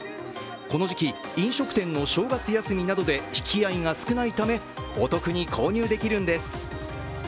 この時期、飲食店の正月休みなどで引き合いが少ないためお得に購入できるんです。